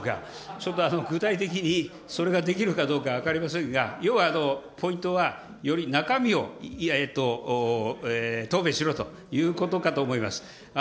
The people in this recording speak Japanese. ちょっと具体的にそれができるかどうか分かりませんが、要はポイントは、より中身を答弁しろということかと思います。